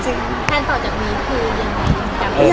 ขั้นต่อจากนี้คือยังไง